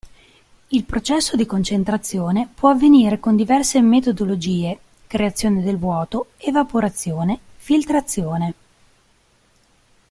Il processo di concentrazione può avvenire con diverse metodologie: creazione del vuoto, evaporazione, filtrazione.